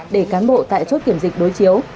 để cán bộ tại chốt kiểm dịch đối chiếu